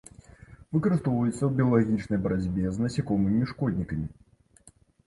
Выкарыстоўваецца ў біялагічнай барацьбе з насякомымі-шкоднікамі.